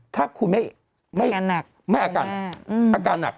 ถ้าคุณไม่อาการหนัก